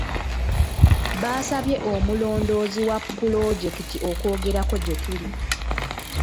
Baasabye omulondoozi wa pulojekiti okwogerako gye tuli.